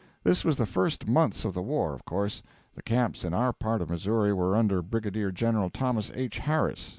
This was in the first months of the war, of course. The camps in our part of Missouri were under Brigadier General Thomas H. Harris.